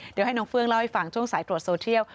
เดี๋ยวให้น้องเฟื่องเล่าให้ฟังช่วงสายตรวจโซเทียล